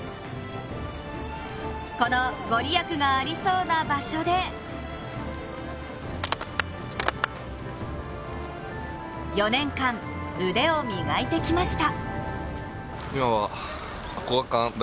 この御利益がありそうな場所で４年間、腕を磨いてきました。